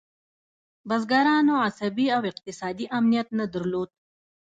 بزګرانو عصبي او اقتصادي امنیت نه درلود.